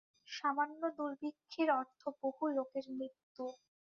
সামান্য দুর্ভিক্ষের অর্থ বহু লোকের মৃত্যু।